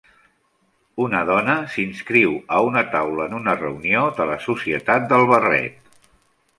Una dona s'inscriu a una taula en una reunió de la societat del barret.